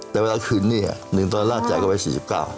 แต่เวลาคืนนี้๑ตอนราชจ่ายกันไป๔๙บาท